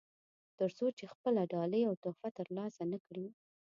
تر څو چې خپله ډالۍ او تحفه ترلاسه نه کړي.